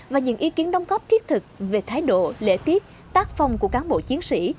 và những ý kiến đóng góp thiết thực về thái độ lễ tiết tác phong của cán bộ chiến sĩ